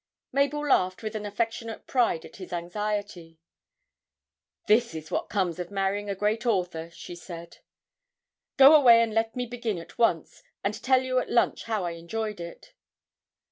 Mabel laughed with affectionate pride at his anxiety: 'This is what comes of marrying a great author!' she said; 'go away and let me begin at once, and tell you at lunch how I enjoyed it.'